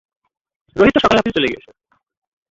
রোহিত তো সকালে অফিস চলে গিয়েছে।